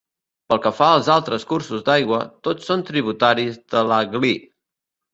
Pel que fa als altres cursos d'aigua, tots són tributaris de l'Aglí.